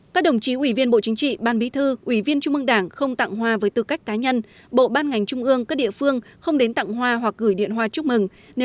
các đồng chí ủy viên bộ chính trị ban bí thư ủy viên trung ương đảng không tặng hoa với tư cách cá nhân